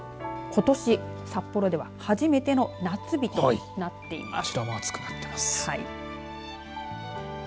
ことし札幌では初めての夏日となっています。